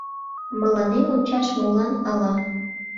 Мыланем ончаш молан ала?